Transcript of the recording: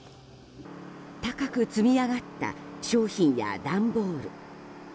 高く積み上がった商品や段ボール。